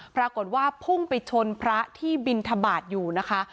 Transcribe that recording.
ปรากฏว่าพุ่งไปชนพระที่บินทบาทอยู่นะคะ